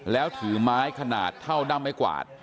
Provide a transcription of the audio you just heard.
แล้วถือไม้ขนาดเท่าด้ำไม่กวาด